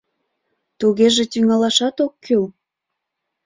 — Тугеже, тӱҥалашат ок кӱл?